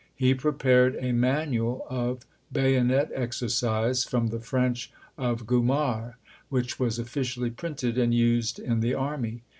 He prepared a manual of bayonet exercise, from the French of Gromard, which was officially printed and used in the army.